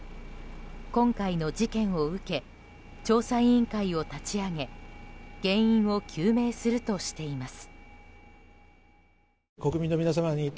今回の事件を受け調査委員会を立ち上げ原因を究明するとしています。